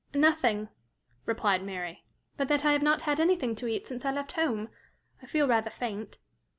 "Nothing," replied Mary, "but that I have not had anything to eat since I left home. I feel rather faint."